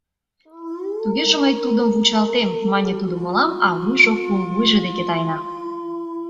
— «Тугеже мый тудым вучалтем», — мане тудо мылам, а вуйжо пулвуйжо деке тайна.